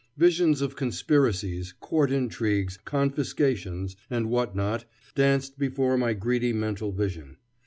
Visions of conspiracies, court intrigues, confiscations, and what not, danced before my greedy mental vision.